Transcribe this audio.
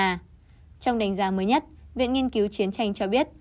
trong đánh giá mới nhất viện nghiên cứu chiến tranh cho biết